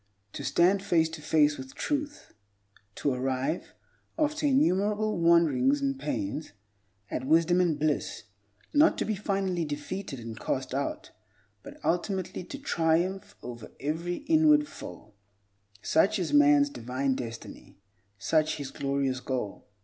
To stand face to face with truth; to arrive, after innumerable wanderings and pains, at wisdom and bliss; not to be finally defeated and cast out, but ultimately to triumph over every inward foe—such is man's divine destiny, such his glorious goal.